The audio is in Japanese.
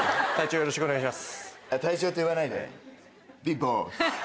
よろしくお願いします！